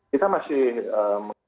kita masih mengatakan